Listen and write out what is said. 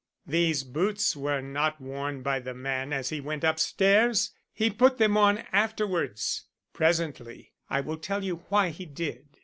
These boots were not worn by the man as he went upstairs; he put them on afterwards. Presently I will tell you why he did.